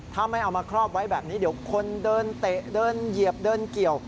ถ้าไม่เอามาครอบไว้แบบนี้เดี๋ยวคนเดินเตะเดินเหยียบเดินเกี่ยว